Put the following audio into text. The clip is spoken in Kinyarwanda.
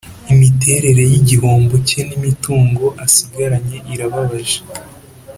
imiterere y’igihombo cye n’imitungo asigaranye irababaje